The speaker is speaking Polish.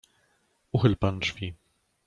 "Uchyl pan drzwi."